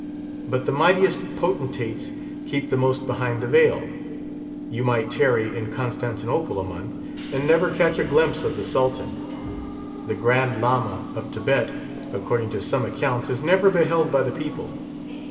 But the mightiest potentates keep the most behind the veil. You might tarry in Constantinople a month, and never catch a glimpse of the Sultan. The grand Lama of Thibet, according to some accounts, is never beheld by the people.